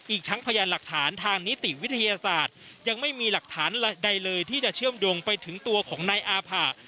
อีกทั้งพยานหลักฐานทางนิติวิทยาศาสตร์ยังไม่มีหลักฐานใดเลยที่จะเชื่อมโยงไปถึงตัวของนายอาผะ